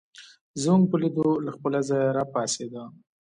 زموږ په لیدو له خپله ځایه راپاڅېد.